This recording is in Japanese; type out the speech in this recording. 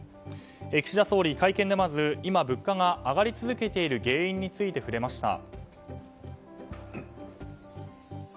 岸田総理、会見でまず今、物価が上がり続けている原因について触れました。